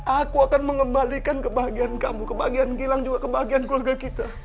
aku akan mengembalikan kebahagiaan kamu kebahagiaan gilang juga kebahagiaan keluarga kita